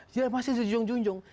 dia masih dijunjung junjung